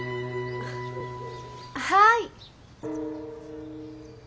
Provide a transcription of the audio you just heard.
はい！